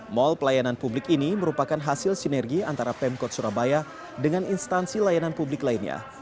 mall pelayanan publik ini merupakan hasil sinergi antara pemkot surabaya dengan instansi layanan publik lainnya